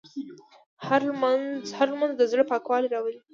هره لمونځ د زړه پاکوالی راولي.